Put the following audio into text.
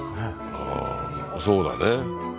ああーそうだね